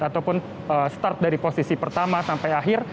ataupun start dari posisi pertama sampai akhir